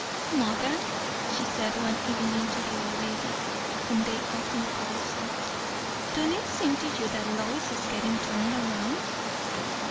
"Mother," she said one evening to the old lady, whom they often called so, "don't it seem to you that Lois is gettin' turned round?"